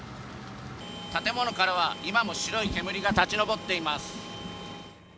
建物からは今も白い煙が立ち上っています。